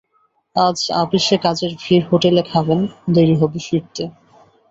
আজ আপিসে কাজের ভিড়, হোটেলে খাবেন, দেরি হবে ফিরতে।